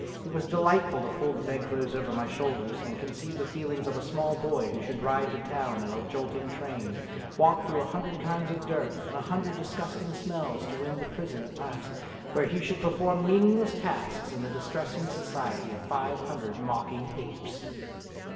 It was delightful to pull the bedclothes over my shoulders and conceive the feelings of a small boy who should ride to town in a A DRAMA OF YOUTH 31 jolting train, walk through a hundred kinds of dirt and a hundred disgusting smells to win to prison at last, where he should perform mean ingless tasks in the distressing society of five hundred mocking apes.